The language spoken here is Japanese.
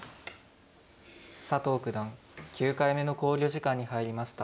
佐藤九段９回目の考慮時間に入りました。